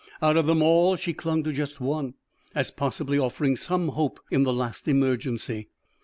Out of them all she clung to just one, as possibly offering some hope in the last emergency.